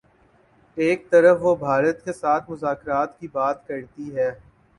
ایک طرف وہ بھارت کے ساتھ مذاکرات کی بات کرتی ہے۔